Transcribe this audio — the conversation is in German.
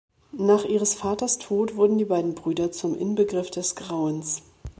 Nach ihres Vaters Tod wurden die beiden Brüder zum Inbegriff des Grauens.